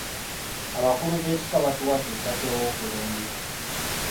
Abakulu b'ekika baatuwadde ettaka ew'okulundira.